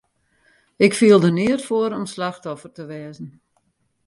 Ik fiel der neat foar om slachtoffer te wêze.